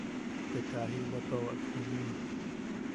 Te kaa jiʼibwatuawak juniiʼi.